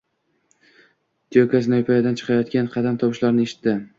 Tiyoko zinapoyadan chiqayotgan qadam tovushlarini eshitdi